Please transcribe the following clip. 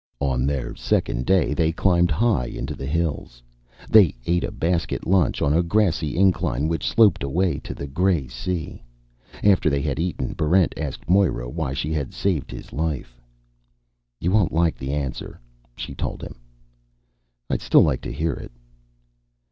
On their second day, they climbed high into the hills. They ate a basket lunch on a grassy incline which sloped away to the gray sea. After they had eaten, Barrent asked Moera why she had saved his life. "You won't like the answer," she told him. "I'd still like to hear it."